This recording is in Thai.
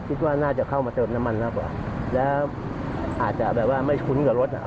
คิดว่าน่าจะเข้ามาเติมน้ำมันมากกว่าแล้วอาจจะแบบว่าไม่คุ้นกับรถอ่ะ